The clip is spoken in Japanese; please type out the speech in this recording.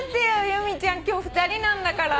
由美ちゃん。今日２人なんだから。